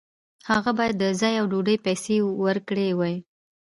هغه باید د ځای او ډوډۍ پیسې ورکړې وای.